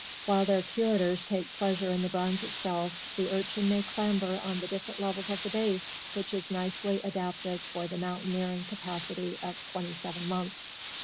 While their curators take pleasure in the bronze itself, the Urchin may clamber on the different levels of the base, which is nicely adapted for the mountaineering capacity of twenty seven months.